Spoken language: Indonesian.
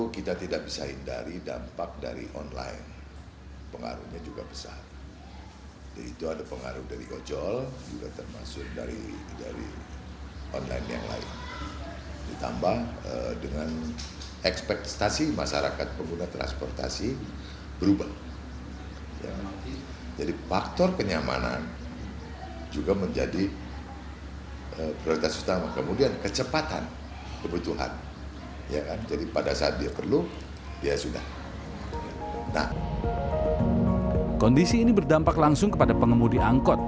kondisi ini berdampak langsung kepada pengemudi angkot